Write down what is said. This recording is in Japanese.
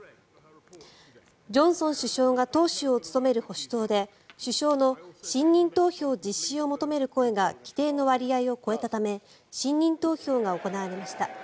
ジョンソン首相が党首を務める保守党で首相の信任投票実施を求める声が規定の割合を超えたため信任投票が行われました。